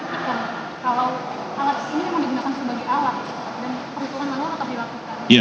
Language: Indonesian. apakah sejauh ini juga dari sireka tiga ini perkembangan dari sireka ini tidak ada yang bisa diperhatikan